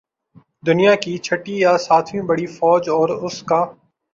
دنیا کی چھٹی یا ساتویں بڑی فوج اور اس کا